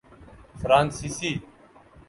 فرانسیسی